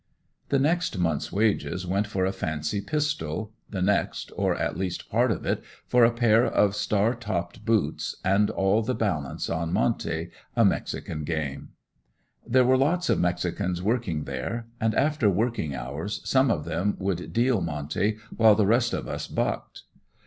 The first month's wages went for a fancy pistol, the next, or at least part of it, for a pair of star topped boots and all the balance on "monte," a mexican game. There were lots of mexicans working there and after working hours some of them would "deal" monte while the rest of us "bucked."